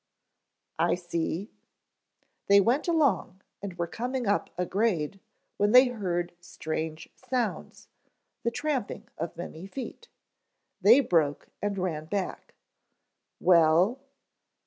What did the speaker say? "I see." "They went along and were coming up a grade, when they heard strange sounds, the tramping of many feet. They broke and ran back." "Well."